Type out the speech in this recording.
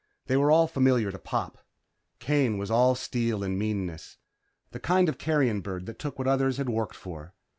They were all familiar to Pop. Kane was all steel and meanness. The kind of carrion bird that took what others had worked for.